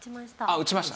打ちました。